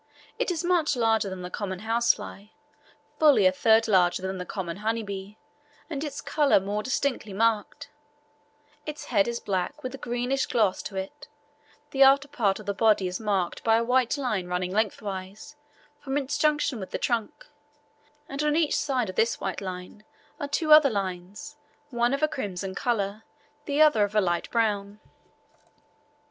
It is much larger than the common housefly, fully a third larger than the common honey bee, and its colour more distinctly marked; its head is black, with a greenish gloss to it; the after part of the body is marked by a white line running lengthwise from its junction with the trunk, and on each side of this white line are two other lines, one of a crimson colour, the other of a light brown.